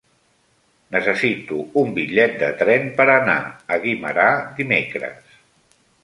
Necessito un bitllet de tren per anar a Guimerà dimecres.